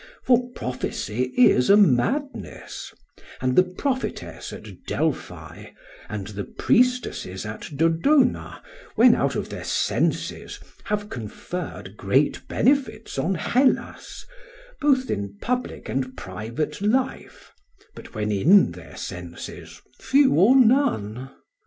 For prophecy is a madness, and the prophetess at Delphi and the priestesses at Dodona when out of their senses have conferred great benefits on Hellas, both in public and private life, but when in their senses few or none....